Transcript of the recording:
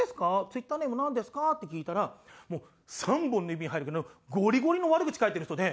「ツイッターネームなんですか？」って聞いたらもう３本の指に入るぐらいのゴリゴリの悪口書いてる人で。